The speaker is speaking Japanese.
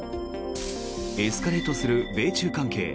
エスカレートする米中関係。